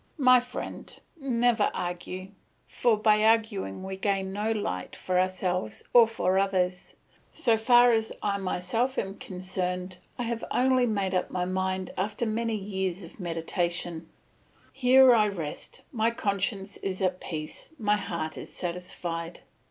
My friend, never argue; for by arguing we gain no light for ourselves or for others. So far as I myself am concerned, I have only made up my mind after many years of meditation; here I rest, my conscience is at peace, my heart is satisfied.